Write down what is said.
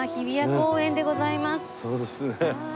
そうですね。